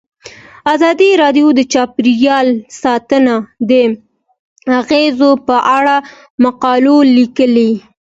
ازادي راډیو د چاپیریال ساتنه د اغیزو په اړه مقالو لیکلي.